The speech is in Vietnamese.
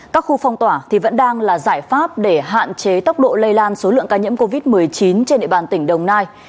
các khu phong tỏa vẫn đang là giải pháp để hạn chế tốc độ lây lan số lượng ca nhiễm covid một mươi chín trên địa bàn tỉnh đồng nai